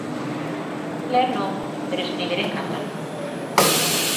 Ler non, pero escribir encántame.